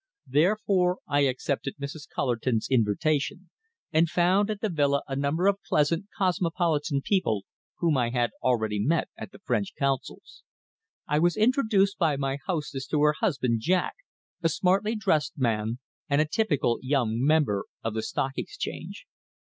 Therefore I accepted Mrs. Cullerton's invitation, and found at the villa a number of pleasant, cosmopolitan people, whom I had already met at the French Consul's. I was introduced by my hostess to her husband, Jack, a smartly dressed man, and a typical young member of the Stock Exchange.